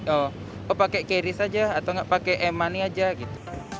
oh pakai qris aja atau pakai e money aja gitu